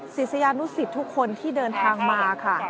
ศิษยานุสิตทุกคนที่เดินทางมาค่ะ